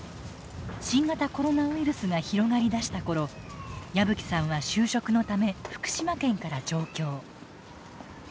新型コロナウイルスが広がりだした頃矢吹さんは就職のため福島県から上京。